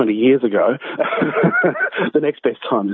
waktu terbaik selanjutnya adalah hari ini